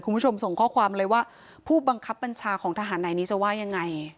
คุณผู้ชมส่งข้อความเลยว่าผู้บังคับบัญชาของทหารในนี้จะว่ายังไง